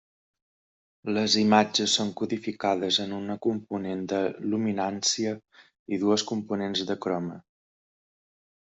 Les imatges són codificades en una component de luminància i dues components de croma.